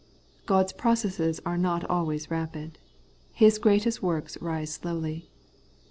* God's processes are not always rapid. His greatest works rise slowly.